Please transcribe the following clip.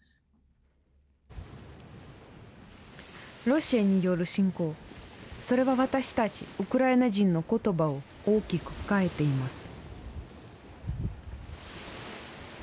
ロシアによる侵攻、それは私たちウクライナ人のことばを大きく変えています。